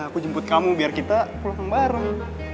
aku jemput kamu biar kita pulang bareng